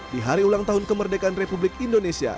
di hari ulang tahun kemerdekaan republik indonesia